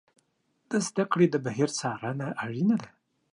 د زده کړې د بهیر څارنه اړینه ده.